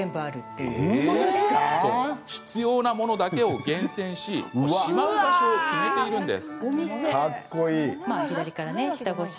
必要なものだけを厳選ししまうものを決めているんです。